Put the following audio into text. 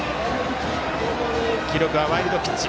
記録はワイルドピッチ。